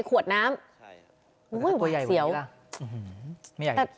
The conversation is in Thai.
ก้อยใหญ่ปรุ๊ก